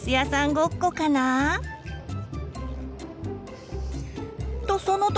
ごっこかな？とその時。